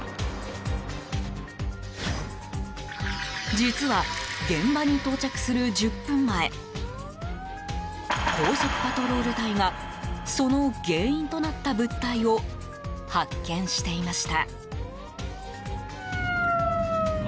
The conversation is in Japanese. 実は、現場に到着する１０分前高速パトロール隊がその原因となった物体を発見していました。